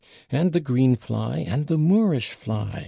'And the GREEN FLY, and the MOORISH FLY!'